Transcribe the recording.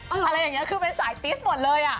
อะไรอย่างนี้คือเป็นสายติสหมดเลยอ่ะ